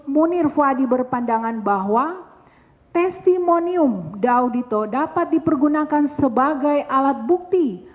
munir faadi berpandangan bahwa testimonium daudito dapat dipergunakan sebagai alat bukti